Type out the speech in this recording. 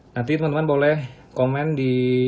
nanti teman teman boleh komen di